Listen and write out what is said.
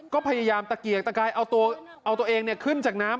ก็พยายามตะเกียกตะกายเอาตัวเองขึ้นจากน้ำ